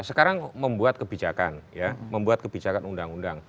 sekarang membuat kebijakan ya membuat kebijakan undang undang